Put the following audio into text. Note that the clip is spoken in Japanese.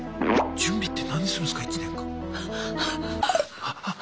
準備って何するんすか１年間。